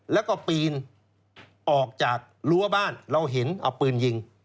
แล้วก็ปีนออกจากรั้วบ้านเราเห็นเอาปืนยิง